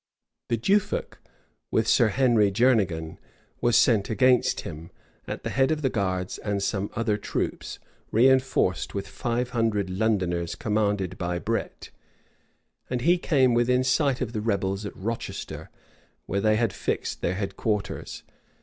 The duke of Norfolk, with Sir Henry Jernegan, was sent against him, at the head of the guards and some other troops, reënforced with five hundred Londoners commanded by Bret: and he came within sight of the rebels at Rochester, where they had fixed their head quarters.